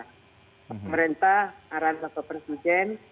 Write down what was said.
pemerintah arahan bapak presiden